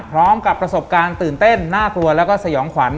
พร้อมกับประสบการณ์ตื่นเต้นน่ากลัวแล้วก็สยองขวัญ